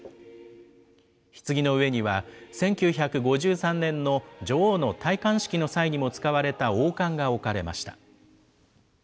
ひつぎの上には、１９５３年の女王の戴冠式の際にも使われた王冠が置かれました。